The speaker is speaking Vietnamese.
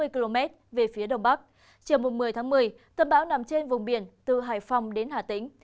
một trăm tám mươi km về phía đông bắc chiều một mươi một mươi tầm bão nằm trên vùng biển từ hải phòng đến hà tĩnh